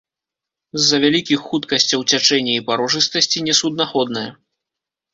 З-за вялікіх хуткасцяў цячэння і парожыстасці несуднаходная.